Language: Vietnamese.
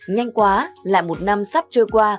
nhanh quá là một năm sắp trôi qua